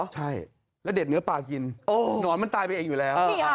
ใช่แล้วเด็ดเนื้อปลากินหนอนมันตายไปเองอยู่แล้ว